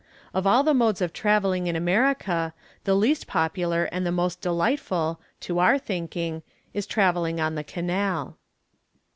Of all the modes of travelling in America, the least popular and the most delightful, to our thinking, is travelling on the Canal.